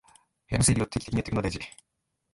部屋の整理を定期的にやっておくのは大事